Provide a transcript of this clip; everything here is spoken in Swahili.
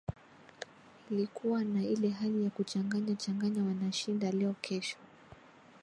ilikuwa na ile hali ya kuchanganya changanya wanashinda leo kesho